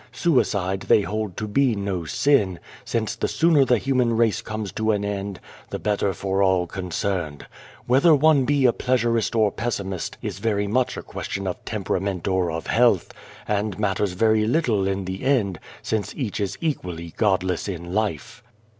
Suicide they hold to be no sin, since the sooner the human race comes to an end, the better for all concerned. Whether one be a Pleasurist or Pessimist is very much a question of tem perament or of health, and matters very little in the end, since each is equally Godless in life."